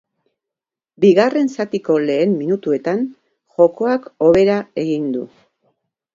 Bigarren zatiko lehen minutuetan, jokoak hobera egin du.